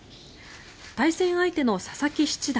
対戦相手の佐々木七段